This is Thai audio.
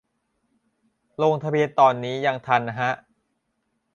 ลงทะเบียนตอนนี้ยังทันฮะ